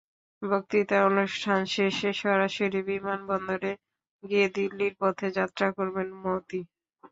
বক্তৃতা অনুষ্ঠান শেষে সরাসরি বিমানবন্দরে গিয়ে দিল্লির পথে যাত্রা করবেন মোদি।